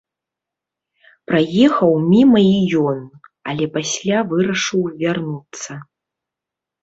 Праехаў міма і ён, але пасля вырашыў вярнуцца.